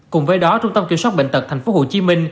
cùng với đó trung tâm kiểm soát bệnh tật tp hcm